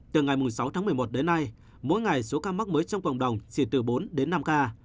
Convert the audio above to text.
từ ngày sáu tháng một mươi một đến nay mỗi ngày số ca mắc mới trong cộng đồng chỉ từ bốn đến năm ca